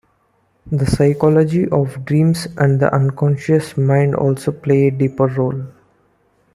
The psychology of dreams and the unconscious mind also play a deeper role.